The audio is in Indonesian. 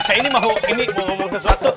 saya ini mau ini mau ngomong sesuatu